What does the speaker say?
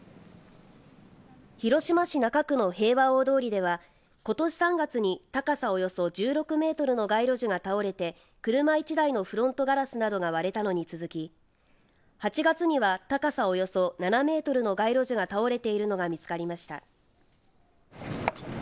広島市中区の平和大通りではことし３月に高さおよそ１６メートルの街路樹が倒れて車１台のフロントガラスなどが割れたのに続き８月には高さおよそ７メートルの街路樹が倒れているのが見つかりました。